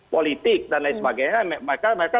politik dan lain sebagainya mereka